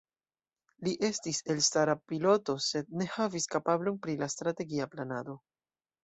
Li estis elstara piloto, sed ne havis kapablon pri la strategia planado.